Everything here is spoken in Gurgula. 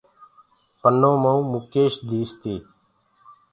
پنو ميوُ مُڪيش ديس تي۔